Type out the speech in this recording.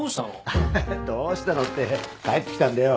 アハハどうしたのって帰ってきたんだよ。